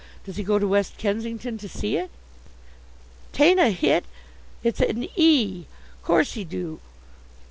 Does he go to West Kensington to see it?" "'Tain't a hit, it's an 'e. 'Course he do."